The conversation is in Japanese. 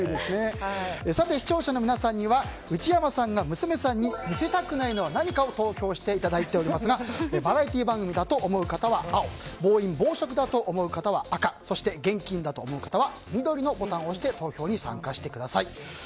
視聴者の皆さんには内山さんが娘さんに見せたくないのは何か投票していただいておりますがバラエティー番組だと思う方は青暴飲暴食だと思う方は赤そして、現金だと思う方は緑のボタンを押して投票に参加してください。